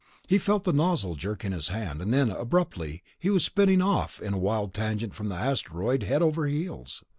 He felt the nozzle jerk in his hand, and then, abruptly, he was spinning off at a wild tangent from the asteroid, head over heels.